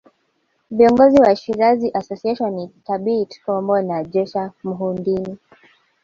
Viongozi wa Shirazi Association ni Thabit Kombo na Jecha Muhidini